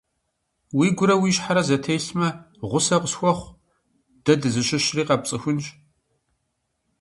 Уигурэ уи щхьэрэ зэтелъмэ, гъусэ къысхуэхъу, дэ дызыщыщри къэпцӀыхунщ.